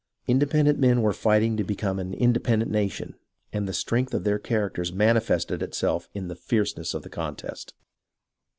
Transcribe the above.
Indepen dent men were fighting to become an independent nation, and the strength of their characters manifested itself in the fierceness of the contest.